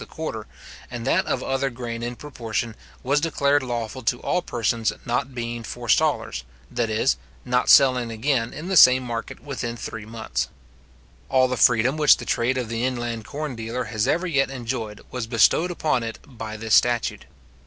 the quarter, and that of other grain in proportion, was declared lawful to all persons not being forestallers, that is, not selling again in the same market within three months. All the freedom which the trade of the inland corn dealer has ever yet enjoyed was bestowed upon it by this statute.